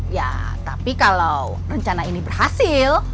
ya tapi kalau rencana ini berhasil